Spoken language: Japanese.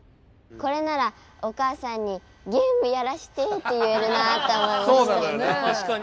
これならお母さんにゲームやらしてって言えるなって思いました。